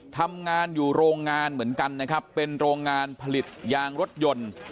ทำงานอยู่โรงงานเหมือนกันนะครับเป็นโรงงานผลิตยางรถยนต์